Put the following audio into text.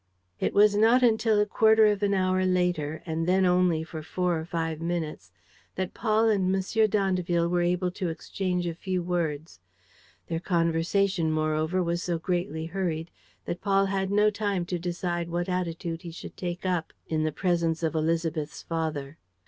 It was not until a quarter of an hour later and then only for four or five minutes that Paul and M. d'Andeville were able to exchange a few words. Their conversation, moreover, was so greatly hurried that Paul had no time to decide what attitude he should take up in the presence of Élisabeth's father.